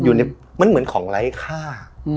อยู่ในมันเหมือนของไร้ค่า